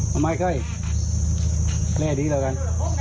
เอาไม้ไข้แร่ดีแล้วกัน